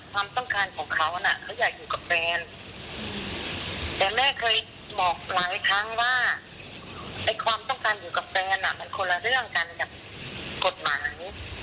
ความต้องการอยู่กับแฟนมันคนละเรื่องกันกับกฎหมาย